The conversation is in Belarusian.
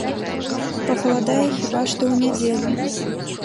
Пахаладае хіба што ў нядзелю.